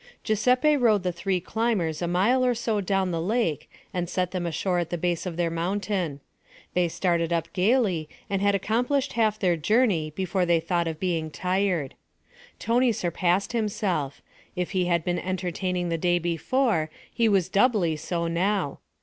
Giuseppe rowed the three climbers a mile or so down the lake and set them ashore at the base of their mountain. They started up gaily and had accomplished half their journey before they thought of being tired. Tony surpassed himself; if he had been entertaining the day before he was doubly so now.